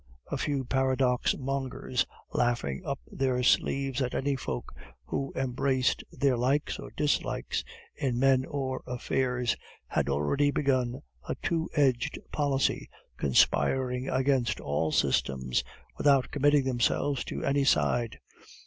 A few paradox mongers, laughing up their sleeves at any folk who embraced their likes or dislikes in men or affairs, had already begun a two edged policy, conspiring against all systems, without committing themselves to any side.